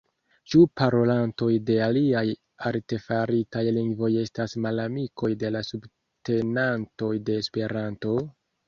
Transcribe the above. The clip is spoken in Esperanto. Ĉu parolantoj de aliaj artefaritaj lingvoj estas malamikoj de la subtenantoj de Esperanto?